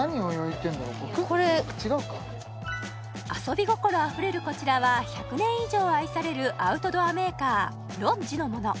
違うか遊び心あふれるこちらは１００年以上愛されるアウトドアメーカーロッジのもの